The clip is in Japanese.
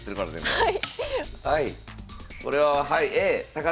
はい。